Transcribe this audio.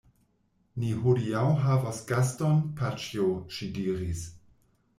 Ni hodiaŭ havos gaston, paĉjo, ŝi diris.